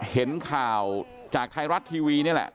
เห็นข่าวจากไทยรัฐทีวีนี่แหละ